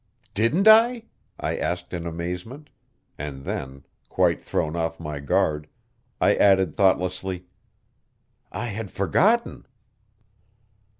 "Didn't I?" I asked in amazement, and then, quite thrown off my guard, I added thoughtlessly: "I had forgotten."